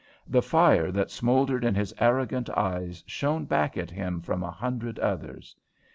The fire that smouldered in his arrogant eyes shone back at him from a hundred others.